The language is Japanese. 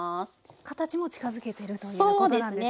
形も近づけてるということなんですね。